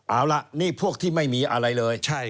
เอาล่ะนี่พวกที่ไม่มีอะไรเลย